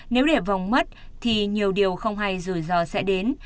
nếu để vòng mất thì nhiều điều không hay rủi ro sẽ đến